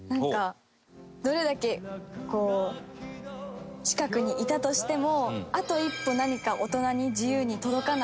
どれだけこう近くにいたとしても。